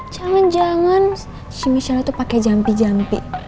jangan jangan si michelle tuh pake jampi jampi